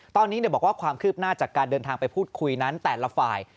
ตอนนี้บอกว่าความคืบหน้าจากการเดินทางไปพูดคุยนั้นแต่ละฝ่าย